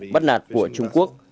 bắt nạt của trung quốc